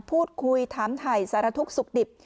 พูดคุยถามถ่ายสารทุกข์สุขดิบ